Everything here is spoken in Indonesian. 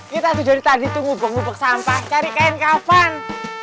kita tuh dari tadi tunggu bubuk bubuk sampah cari kain kavan